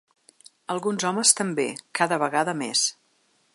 Alguns homes també, cada vegada més.